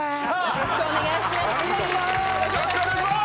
よろしくお願いします